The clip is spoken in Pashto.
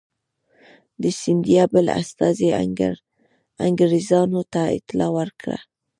د سیندیا بل استازي انګرېزانو ته اطلاع ورکړه.